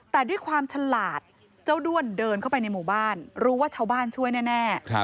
แต่ด้วยความฉลาดเจ้าด้วนเดินเข้าไปในหมู่บ้านรู้ว่าชาวบ้านช่วยแน่